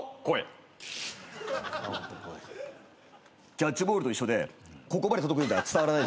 キャッチボールと一緒でここまで届くんじゃ伝わらない。